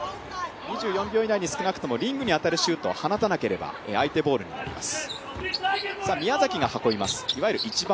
２４秒以内に少なくともリングに当たるシュートを打たなければ相手ボールになります。